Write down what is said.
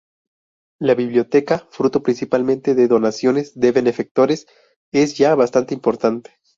La biblioteca, fruto principalmente de donaciones de benefactores, es ya bastante importante.